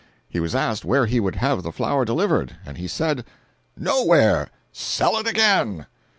He was asked where he would have the flour delivered, and he said: "Nowhere—sell it again."